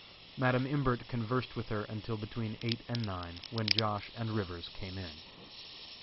Madam Imbert conversed with her until between eight and nine, when Josh. and Rivers came in.